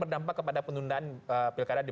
berdampak kepada penundaan pilkada di